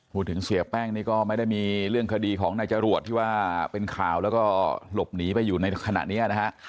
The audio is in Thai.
เสียแป้งนี่ก็ไม่ได้มีเรื่องคดีของนายจรวดที่ว่าเป็นข่าวแล้วก็หลบหนีไปอยู่ในขณะนี้นะฮะ